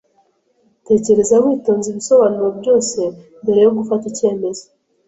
Tekereza witonze ibisobanuro byose, mbere yo gufata icyemezo.